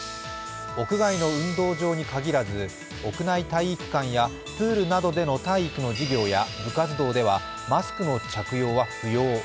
屋外の運動場に限らず、屋内体育館やプールなどでの体育の授業や部活動ではマスクの着用は不要。